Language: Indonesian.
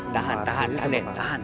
tahan tahan tahan deh tahan